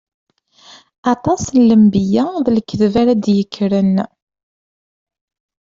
Aṭas n lenbiya n lekdeb ara d-ikkren.